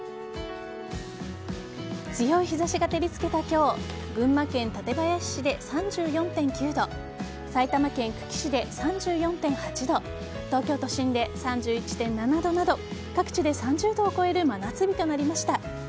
強い日差しが照りつけた今日群馬県館林市で３４．９度埼玉県久喜市で３４．８度東京都心で３１．７度など各地で３０度を超える真夏日となりました。